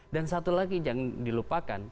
dan satu lagi jangan dilupakan